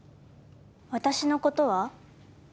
私のことは？